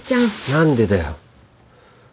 何でだよ。